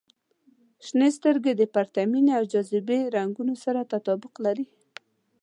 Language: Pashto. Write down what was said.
• شنې سترګې د پرتمینې او جاذبې د رنګونو سره تطابق لري.